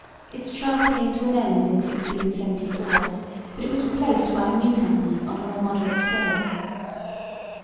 Its charter came to an end in 1674, but it was replaced by a new Company on a more moderate scale.